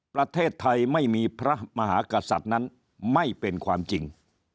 ประเทศไทยไม่มีพระมหากษัตริย์นั้นไม่เป็นความจริง